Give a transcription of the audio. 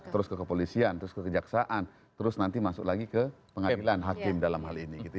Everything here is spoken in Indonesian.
terus ke kepolisian terus ke kejaksaan terus nanti masuk lagi ke pengadilan hakim dalam hal ini gitu